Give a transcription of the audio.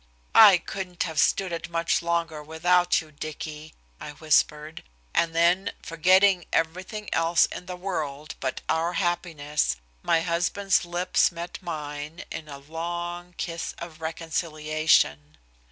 "I couldn't have stood it much longer without you, Dicky," I whispered, and then, forgetting everything else in the world but our happiness, my husband's lips met mine in a long kiss of reconciliation.